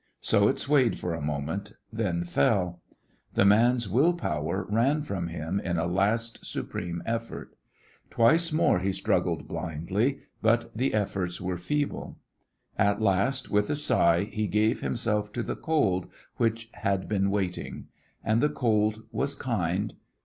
So it swayed for a moment, then fell. The man's will power ran from him in a last supreme effort. Twice more he struggled blindly, but the efforts were feeble. At last with a sigh he gave himself to the cold, which had been waiting. And the cold was kind.